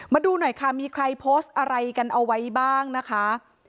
มาดูหน่อยค่ะมีใครโพสต์อะไรกันเอาไว้บ้างนะคะ